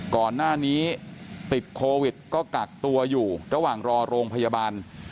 ก่อนหน้านี้ติดโควิดก็กักตัวอยู่ระหว่างรอโรงพยาบาล